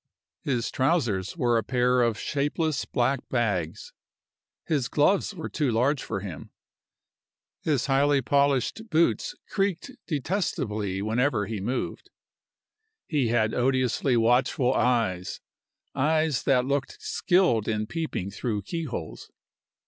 His trousers were a pair of shapeless black bags. His gloves were too large for him. His highly polished boots creaked detestably whenever he moved. He had odiously watchful eyes eyes that looked skilled in peeping through key holes.